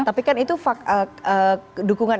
tapi kan itu dukungan